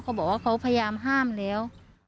เขาบอกว่าเขาพยายามห้ามแล้ว